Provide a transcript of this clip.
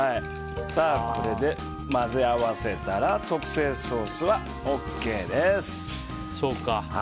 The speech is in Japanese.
これで混ぜ合わせたら特製ソースはＯＫです。